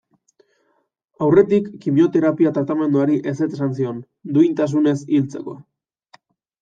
Aurretik kimioterapia tratamenduari ezetz esan zion, duintasunez hiltzeko.